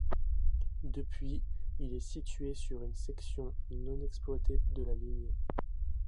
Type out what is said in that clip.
Depuis elle est située sur une section non exploitée de la ligne.